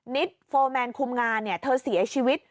นิตโฟร์แมนคุมงานเธอเสียชีวิต